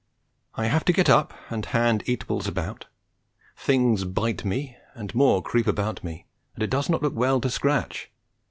I have to get up and hand eatables about; things bite me, and more creep about me, and it does not look well to scratch.